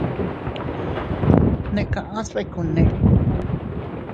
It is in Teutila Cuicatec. Neʼe kaʼas biku Nneeko.